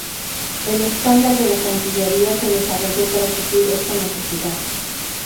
El estándar de la cancillería se desarrolló para suplir esta necesidad.